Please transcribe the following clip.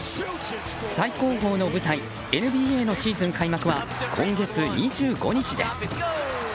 最高峰の舞台ＮＢＡのシーズン開幕は今月２５日です。